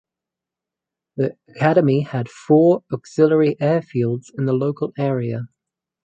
The Academy had four auxiliary airfields in the local area.